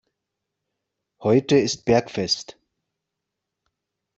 Heute ist Bergfest.